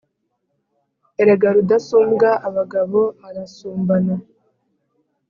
Erega Rudasumbwa abagabo barasumbana